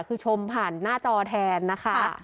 คือชมผ่านหน้าจอแทนนะคะ